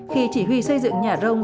khi chỉ huy xây dựng nhà rông